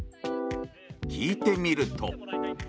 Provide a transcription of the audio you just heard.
聞いてみると。